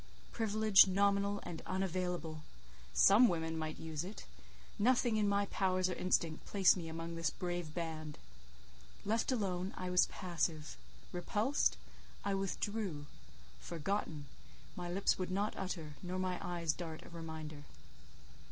Privilege nominal and unavailable! Some women might use it! Nothing in my powers or instinct placed me amongst this brave band. Left alone, I was passive; repulsed, I withdrew; forgotten—my lips would not utter, nor my eyes dart a reminder.